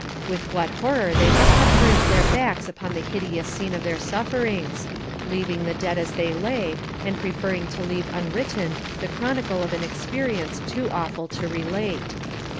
With what horror must they have turned their backs upon the hideous scene of their sufferings, leaving the dead as they lay, and preferring to leave unwritten the chronicle of an experience too awful to relate.